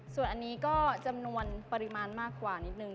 ส่วนอันนี้ก็จำนวนปริมาณมากกว่านิดนึง